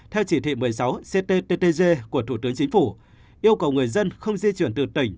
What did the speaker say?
theo chỉ thị một mươi sáu cttg của thủ tướng chính phủ yêu cầu người dân không di chuyển từ tỉnh